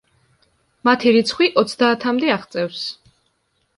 მათი რიცხვი ოცდაათამდე აღწევს.